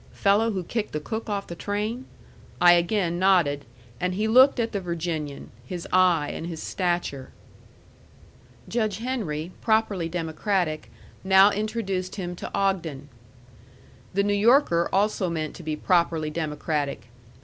"Fellow who kicked the cook off the train?" I again nodded, and he looked at the Virginian, his eye and his stature. Judge Henry, properly democratic, now introduced him to Ogden. The New Yorker also meant to be properly democratic.